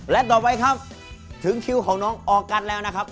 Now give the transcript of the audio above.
และต่อไปครับถึงคิวของน้องออกัสแล้วนะครับ